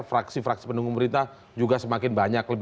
fraksi fraksi pendukung pemerintah juga semakin banyak